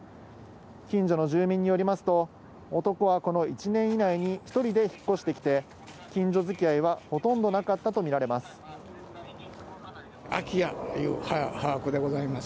近所の住民によりますと、男はこの１年以内に１人で引っ越してきて、近所づきあいはほとん空き家という把握でございます。